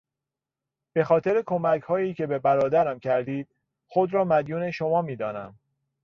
به خاطر کمکهایی که به برادرم کردید خود را مدیون شما میدانم.